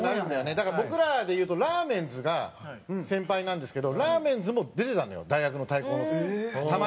だから僕らで言うとラーメンズが先輩なんですけどラーメンズも出てたのよ大学の対抗多摩美術大学で。